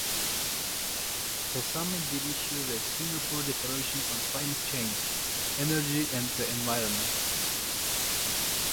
The summit did issue the Singapore Declaration on Climate Change, Energy and the Environment.